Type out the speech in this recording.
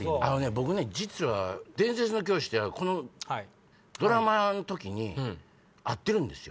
僕ね実は『伝説の教師』ってドラマの時に会ってるんですよ。